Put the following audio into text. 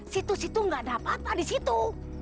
situ situ nggak ada apa apa disitu